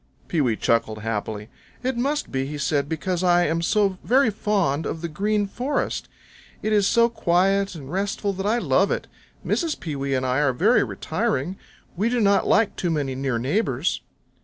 Pewee chuckled happily. "It must be," said he, "because I am so very fond of the Green Forest. It is so quiet and restful that I love it. Mrs. Pewee and I are very retiring. We do not like too many near neighbors."